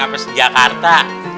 sampai si jakarta